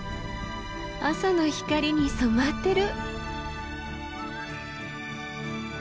朝の光に染まってる。